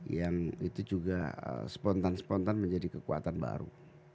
yang itu juga spontan spontan menjadi kekuatan baru